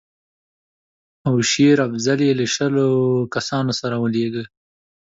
او شېر افضل یې له شلو کسانو سره ولېږه.